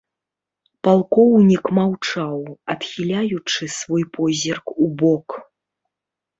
Палкоўнік маўчаў, адхіляючы свой позірк убок.